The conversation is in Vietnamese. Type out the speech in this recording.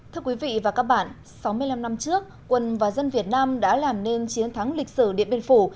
thưa quý vị và các bạn sáu mươi năm năm trước quân và dân việt nam đã làm nên chiến thắng lịch sử điện biên phủ